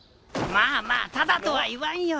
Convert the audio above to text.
まあまあタダとは言わんよ。